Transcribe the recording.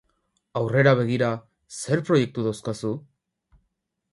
Aurrera begira, zer proiektu daukazu?